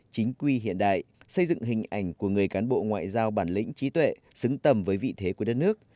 chính quy hiện đại xây dựng hình ảnh của người cán bộ ngoại giao bản lĩnh trí tuệ xứng tầm với vị thế của đất nước